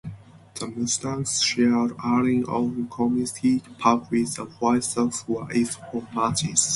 The Mustangs shared Allyn-owned Comiskey Park with the White Sox for its home matches.